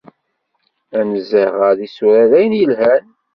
Anezzeh ɣer isura d ayen yelhan.